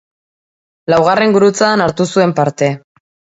Laugarren Gurutzadan hartu zuen parte.